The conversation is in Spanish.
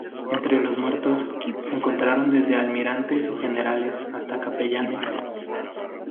Entre los muertos, se encontraron desde almirantes o generales hasta capellanes.